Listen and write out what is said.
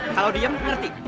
kalau diem ngerti